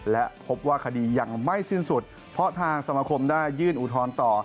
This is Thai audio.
และพบว่าคดียังไม่สิ้นสุดเพราะทางสมคมได้ยื่นอุทธรณ์ต่อ